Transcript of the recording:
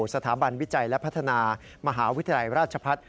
สถาบันวิจัยและพัฒนามหาวิทยาลัยราชพัฒน์